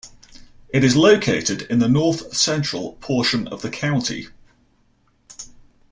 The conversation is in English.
It is located in the north central portion of the county.